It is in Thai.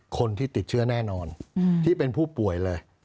คนที่ติดเชื้อแน่นอนที่เป็นผู้ป่วยเลย